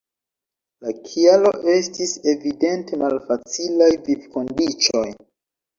La kialo estis evidente malfacilaj vivkondiĉoj.